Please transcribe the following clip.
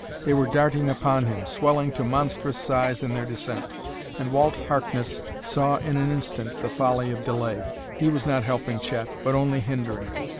They were darting upon him, swelling to monstrous size in their descent. And Walt Harkness saw in an instant the folly of delay: he was not helping Chet, but only hindering....